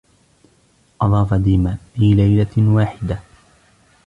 أضاف ديما: " في ليلة واحدة ،"